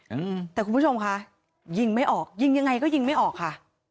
อืมแต่คุณผู้ชมค่ะยิงไม่ออกยิงยังไงก็ยิงไม่ออกค่ะ